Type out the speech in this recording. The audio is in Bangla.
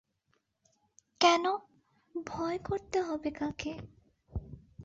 কেন, ভয় করতে হবে কাকে।